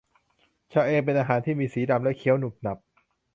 ชะเอมเป็นอาหารที่มีสีดำและเคี้ยวหนุบหนับ